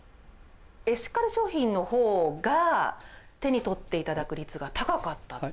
エシカル商品の方が手に取っていただく率が高かったという。